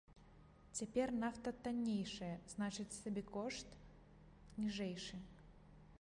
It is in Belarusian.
Цяпер нафта таннейшая, значыць сабекошт ніжэйшы.